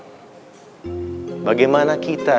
bagaimana kita sebagai umat kita